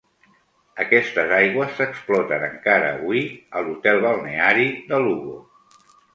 Aquestes aigües s'exploten encara avui a l'Hotel Balneari de Lugo.